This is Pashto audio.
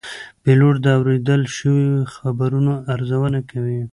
پیلوټ د اورېدل شوو خبرونو ارزونه کوي.